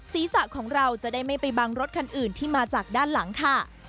ศีรษะของเราจะได้ไม่ไปบังรถคันอื่นที่มาจากด้านหลังค่ะ